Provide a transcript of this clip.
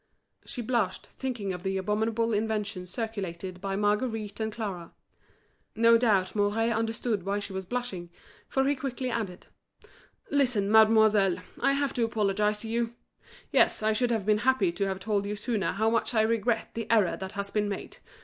She blushed, thinking of the abominable inventions circulated by Marguerite and Clara. No doubt Mouret understood why she was blushing, for he quickly added: "Listen, mademoiselle, I have to apologise to you. Yes, I should have been happy to have told you sooner how much I regret the error that has been made.